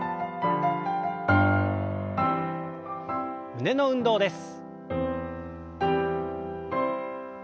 胸の運動です。